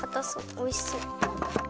おいしそう。